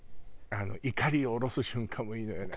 イカリを下ろす瞬間もいいのよね。